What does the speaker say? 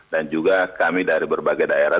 dan juga kami dari berbagai daerah